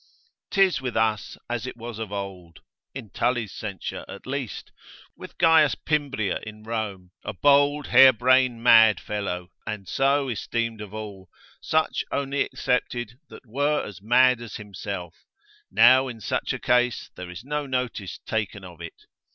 'Tis with us, as it was of old (in Tully's censure at least) with C. Pimbria in Rome, a bold, hair brain, mad fellow, and so esteemed of all, such only excepted, that were as mad as himself: now in such a case there is no notice taken of it.